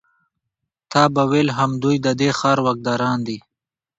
تا به ویل همدوی د دې ښار واکداران دي.